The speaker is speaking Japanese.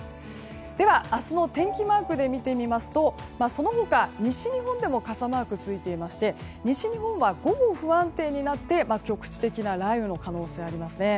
では、明日の天気マークで見てみますとその他、西日本でも傘マークがついていまして西日本は午後不安定になって局地的な雷雨の可能性がありますね。